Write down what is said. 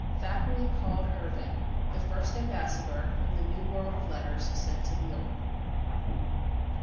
Thackeray called Irving "the first ambassador whom the new world of letters sent to the old."